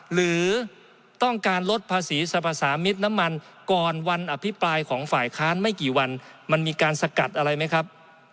หรือต้องการลดภาษีสรรพสามิตรน้ำมันก่อนวันอภิปรายของฝ่ายค้านไม่กี่วันมันมีการสกัดอะไรไหมครับ